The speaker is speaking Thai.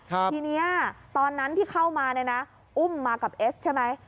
ทีนี้ตอนนั้นที่เข้ามาเนี่ยนะอุ้มมากับเอสใช่ไหม